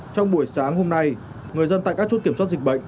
trong buổi sáng hôm nay người dân tại các chốt kiểm soát dịch bệnh